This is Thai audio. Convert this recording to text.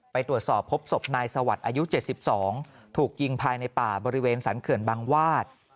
ไปตรวจสอบพบศพนายสวัสดิ์อายุ๗๒ถูกยิงภายในป่าบริเวณสรรเขื่อนบางวาด